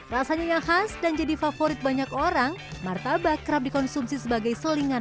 rasanya yang khas dan jadi favorit banyak orang martabak kerap dikonsumsi sebagai selingan